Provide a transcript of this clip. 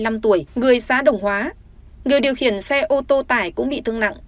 người xã đồng hóa người điều khiển xe ô tô tải cũng bị thương nặng